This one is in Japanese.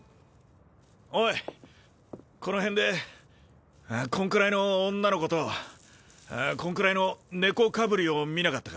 おいこの辺でこんくらいの女の子とこんくらいの猫カブリを見なかったか？